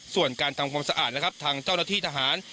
ส่วนการทำความสะอาดนะครับทางเจ้าหน้าที่ทหาร